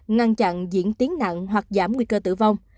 ngăn chặn diễn tiến nặng hoặc giảm nguy cơ tử vong